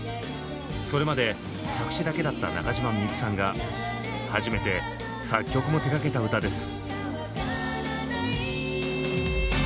それまで作詞だけだった中島みゆきさんが初めて作曲も手がけた歌です。